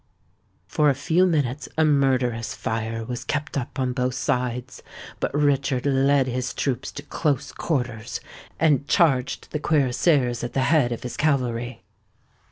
For a few minutes a murderous fire was kept up on both sides; but Richard led his troops to close quarters, and charged the cuirassiers at the head of his cavalry.